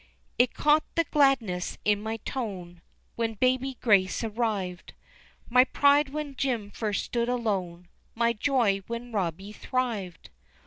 It caught the gladness in my tone When baby Grace arrived, My pride when Jim first stood alone, My joy when Robbie thrived.